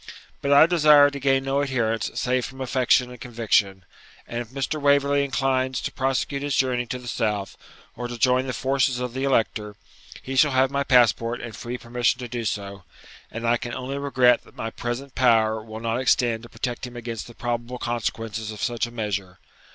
But I desire to gain no adherents save from affection and conviction; and if Mr. Waverley inclines to prosecute his journey to the south, or to join the forces of the Elector, he shall have my passport and free permission to do so; and I can only regret that my present power will not extend to protect him against the probable consequences of such a measure.